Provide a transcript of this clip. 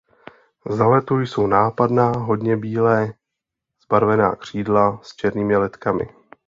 Za letu jsou nápadná hodně bíle zbarvená křídla s černými letkami.